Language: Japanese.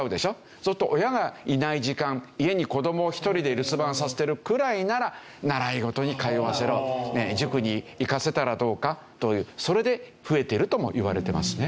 そうすると親がいない時間家に子供を１人で留守番させてるくらいなら習い事に通わせろ塾に行かせたらどうかとそれで増えてるともいわれてますね。